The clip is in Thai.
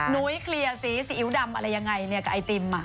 นุ้ยเคลียร์สีอิ๊วดำอะไรยังไงเนี่ยกับไอติม